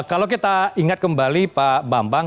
kalau kita ingat kembali pak bambang